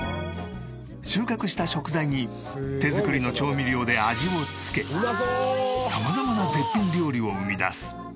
収穫した食材に手作りの調味料で味を付け様々な絶品料理を生み出すゆにママ。